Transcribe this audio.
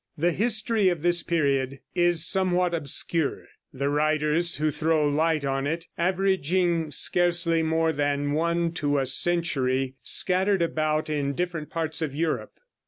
The history of this period is somewhat obscure, the writers who throw light on it averaging scarcely more than one to a century, scattered about in different parts of Europe.